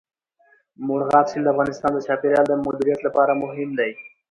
مورغاب سیند د افغانستان د چاپیریال د مدیریت لپاره مهم دی.